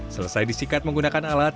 selesai disikat menggunakan alat